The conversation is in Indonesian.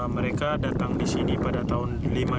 mereka datang disini pada tahun seribu sembilan ratus lima puluh dua